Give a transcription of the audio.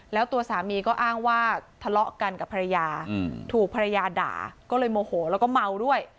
แล้วตัวสามีก็อ้างว่าทะเลาะกันกับภรรยาถูกภรรยาด่าก็เลยโมโหแล้วก็เมาด้วย